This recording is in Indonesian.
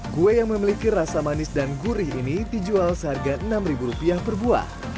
kue yang memiliki rasa manis dan gurih ini dijual seharga rp enam per buah